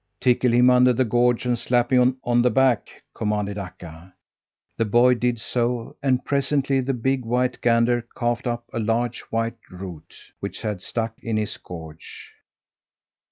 "Tickle him under the gorge and slap him on the back!" commanded Akka. The boy did so and presently the big, white gander coughed up a large, white root, which had stuck in his gorge.